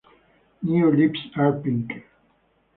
New leaves are pink.